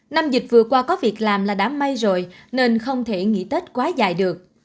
năm dịch vừa qua có việc làm là đã may rồi nên không thể nghỉ tết quá dài được